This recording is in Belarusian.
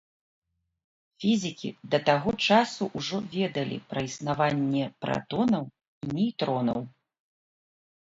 Фізікі да таго часу ўжо ведалі пра існаванне пратонаў і нейтронаў.